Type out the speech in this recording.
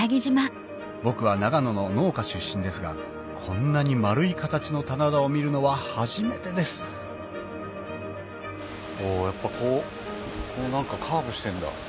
僕は長野の農家出身ですがこんなに丸い形の棚田を見るのは初めてですおぉやっぱこうカーブしてんだ。